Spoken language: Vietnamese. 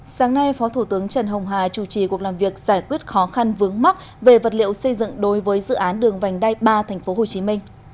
sáng nay phó thủ tướng trần hồng hà chủ trì cuộc làm việc giải quyết khó khăn vướng mắc về vật liệu xây dựng đối với dự án đường vành đai ba tp hcm